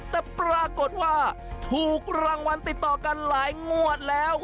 แต่ปรากฏว่าถูกรางวัลติดต่อกันหลายงวดแล้ว